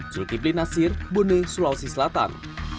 zulkifli nasir bone sulawesi selatan